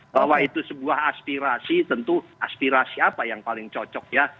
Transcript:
bahwa itu sebuah aspirasi tentu aspirasi apa yang paling cocok ya